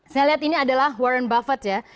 saya lihat ini adalah warren buffet ya